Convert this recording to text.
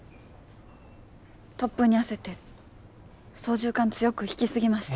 突風に焦って操縦かん強く引き過ぎました。